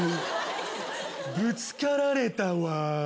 ぶつかられたわ。